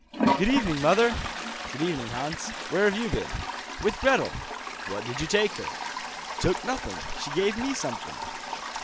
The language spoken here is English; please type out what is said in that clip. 'Good evening, mother.' 'Good evening, Hans. Where have you been?' 'With Gretel.' 'What did you take her?' 'Took nothing, she gave me something.